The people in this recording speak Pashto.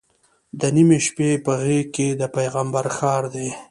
د نیمې شپې په غېږ کې د پیغمبر ښار دی.